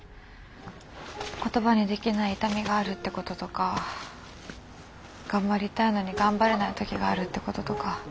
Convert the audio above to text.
言葉にできない痛みがあるってこととか頑張りたいのに頑張れない時があるってこととか。